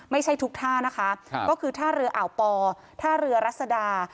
ไม่ใช่ทุกท่านะคะก็คือท่าเรืออ่าวปอท่าเรือรัศดา